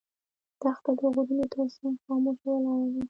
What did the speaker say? دښته د غرونو تر څنګ خاموشه ولاړه ده.